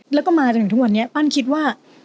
แล้วก็มาจนถึงทุกวันนี้ปั้นคิดว่า